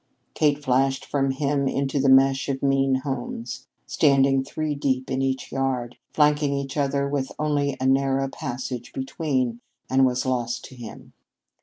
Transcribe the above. Kate flashed from him into the mesh of mean homes, standing three deep in each yard, flanking each other with only a narrow passage between, and was lost to him.